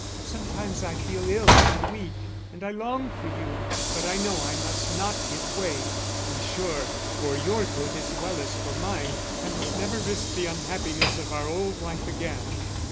Sometimes I feel ill and weak and I long for you, but I know I must not give way. I'm sure, for your good as well as for mine, I must never risk the unhappiness of our old life again.